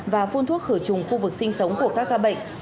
và phun thuốc khử trùng khu vực sinh sống của các ca bệnh